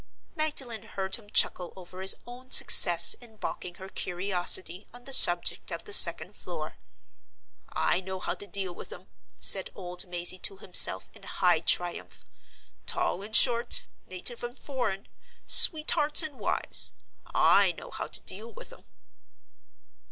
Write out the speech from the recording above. Magdalen heard him chuckle over his own success in balking her curiosity on the subject of the second floor. "I know how to deal with 'em!" said old Mazey to himself, in high triumph. "Tall and short, native and foreign, sweethearts and wives—I know how to deal with 'em!"